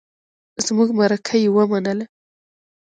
زمونږ مرکه يې ومنله.